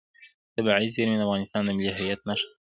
طبیعي زیرمې د افغانستان د ملي هویت نښه ده.